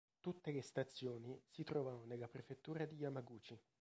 Tutte le stazioni si trovano nella prefettura di Yamaguchi.